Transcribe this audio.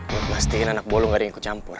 gua pastiin anak buah lu gak ada yang ikut campur